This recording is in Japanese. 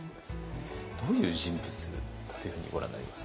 どういう人物だというふうにご覧になりますか？